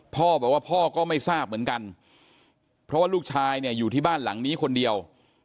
พ่อบอกว่าพ่อก็ไม่ทราบเหมือนกันเพราะว่าลูกชายเนี่ยอยู่ที่บ้านหลังนี้คนเดียว